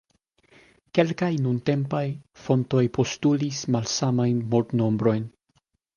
Kelkaj nuntempaj fontoj postulis malsamajn mortnombrojn.